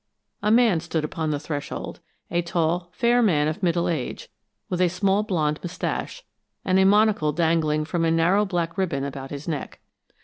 A man stood upon the threshold a tall, fair man of middle age, with a small blond mustache, and a monocle dangling from a narrow black ribbon about his neck.